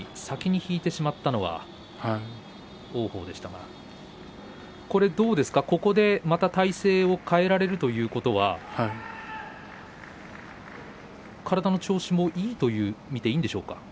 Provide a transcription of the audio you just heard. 先に引いてしまったのは王鵬でしたがどうですか、ここで体勢を変えられるということは体の調子もいいと見ていいですか。